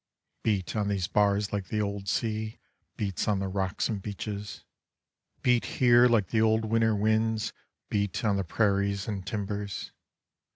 Beat on these bars like the old sea Beats on the rocks and beaches. Beat here like the old winter winds Beat on the prairies and timbers.